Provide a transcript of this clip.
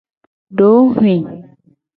Dohwi.